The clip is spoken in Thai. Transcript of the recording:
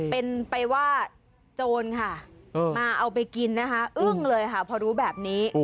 เป็นไปว่าโจรค่ะมาเอาไปกินนะคะอึ้งเลยค่ะพอรู้แบบนี้